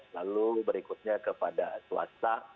lalu berikutnya kepada swasta